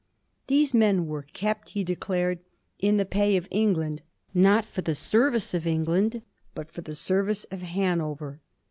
These men were kept, he declared, in the pay of Eng land, not for the service of England, but for the service of Hanover.